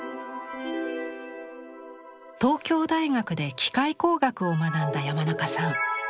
東京大学で機械工学を学んだ山中さん。